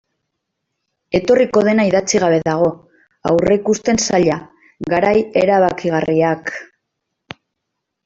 Etorriko dena idatzi gabe dago, aurreikusten zaila, garai erabakigarriak...